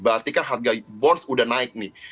berarti kan harga bonds udah naik nih